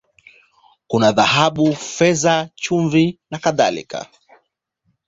Kuna dhahabu, fedha, chumvi, na kadhalika.